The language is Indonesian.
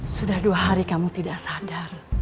sudah dua hari kamu tidak sadar